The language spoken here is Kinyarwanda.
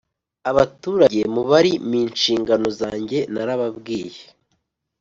abaturage mubari minshingano zanjye narababwiye